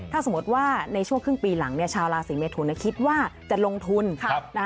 ถ้าสมมติว่าในช่วงครึ่งปีหลังชาวราศีเมทุนคิดว่าจะลงทุน